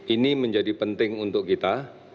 ini menjadi penting untuk kita